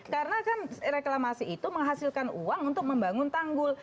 karena kan reklamasi itu menghasilkan uang untuk membangun tanggul